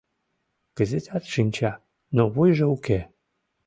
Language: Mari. Кызытат шинча, но вуйжо уке.